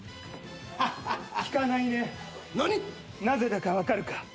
なぜだか分かるか？